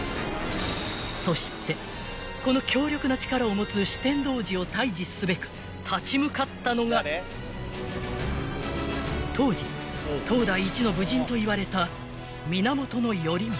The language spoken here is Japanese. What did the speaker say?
［そしてこの強力な力を持つ酒呑童子を退治すべく立ち向かったのが当時当代一の武人といわれた］